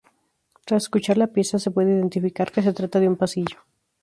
Tras escuchar la pieza se puede identificar que se trata de un pasillo.